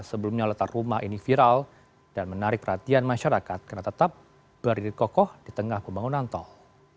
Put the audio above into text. sebelumnya letak rumah ini viral dan menarik perhatian masyarakat karena tetap berdiri kokoh di tengah pembangunan tol